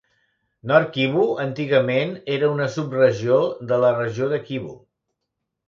North Kivu antigament era una subregió de la regió de Kivu.